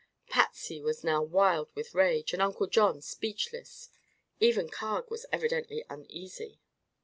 Patsy was now wild with rage and Uncle John speechless. Even Carg was evidently uneasy.